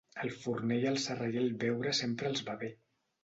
Al forner i al serraller el beure sempre els va bé.